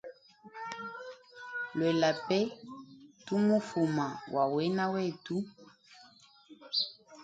Lwela pe tu mufuma wa wena wetu.